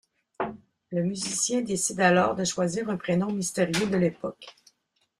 Le musicien décide alors de choisir un prénom mystérieux de l'époque.